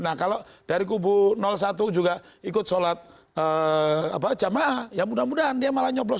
nah kalau dari kubu satu juga ikut sholat jamaah ya mudah mudahan dia malah nyoblos